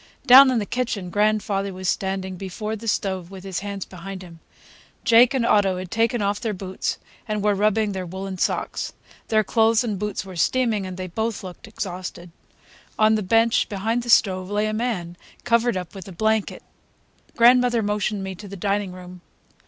Down in the kitchen grandfather was standing before the stove with his hands behind him. Jake and Otto had taken off their boots and were rubbing their woolen socks. Their clothes and boots were steaming, and they both looked exhausted. On the bench behind the stove lay a man, covered up with a blanket. Grandmother motioned me to the dining room.